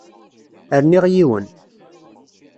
Rniɣ yiwen.